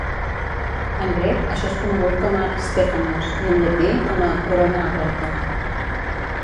En grec, això és conegut com a "stephanos" i en llatí com a "corona aperta".